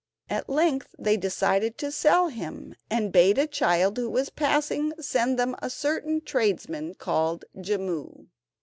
At length they decided to sell him, and bade a child who was passing send them a certain tradesman called Jimmu.